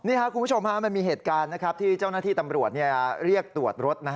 นี่ครับคุณผู้ชมมันมีเหตุการณ์ที่เจ้าหน้าที่ตำรวจเรียกตรวจรถ